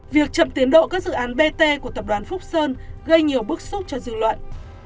việc chậm tiến độ các dự án bt của tập đoàn phúc sơn gây nhiều bức xúc cho dư luận